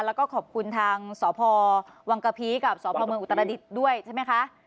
แล้วก็ขอบคุณทางสภวังกะพีกับสภภรอุตรฎิตรด้วยใช่ไหมคะ